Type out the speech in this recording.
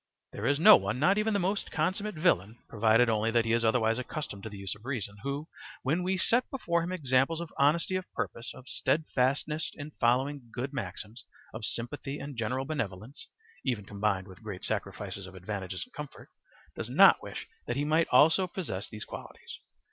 There is no one, not even the most consummate villain, provided only that he is otherwise accustomed to the use of reason, who, when we set before him examples of honesty of purpose, of steadfastness in following good maxims, of sympathy and general benevolence (even combined with great sacrifices of advantages and comfort), does not wish that he might also possess these qualities.